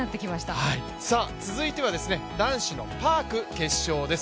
続いては男子のパーク、決勝です。